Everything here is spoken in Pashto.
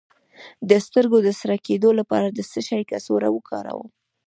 د سترګو د سره کیدو لپاره د څه شي کڅوړه وکاروم؟